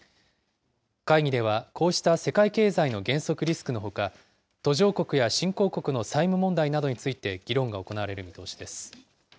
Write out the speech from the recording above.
会議ではこうした世界経済の減速リスクのほか、途上国や新興国の債務問題などについて議論が行われる見通しです。